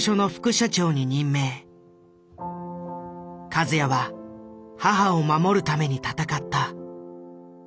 和也は母を守るために闘った。